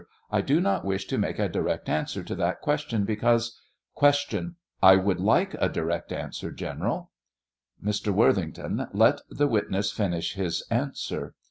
I do not wish to make a direet answer to that question, because Q. I would. like a direct answer, General? Mr. Worthington. Let the witness finish his answer.